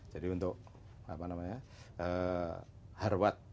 jadi untuk harwat